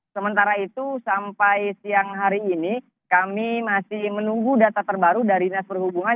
sementara itu sampai siang hari ini kami masih menunggu data terbaru dari dinas perhubungan